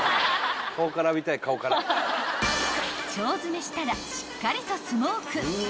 ［腸詰めしたらしっかりとスモーク］